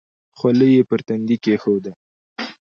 خولۍ یې پر تندي کېښوده.